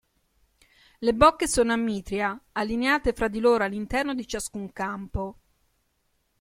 Le bocche sono a mitria, allineate fra di loro all'interno di ciascun campo.